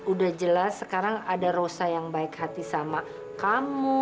udah jelas sekarang ada rosa yang baik hati sama kamu